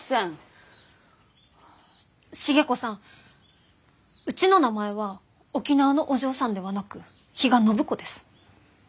重子さんうちの名前は「沖縄のお嬢さん」ではなく比嘉暢子です。